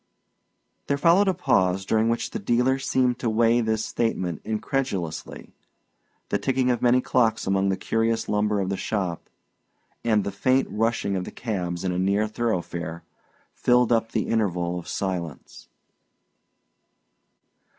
There followed a pause, during which the dealer seemed to weigh this statement incredulously. The ticking of many clocks among the curious lumber of the shop, and the faint rushing of the cabs in a near thoroughfare, filled up the interval of silence.